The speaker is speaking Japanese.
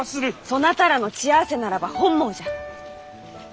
そなたらの血や汗ならば本望じゃ。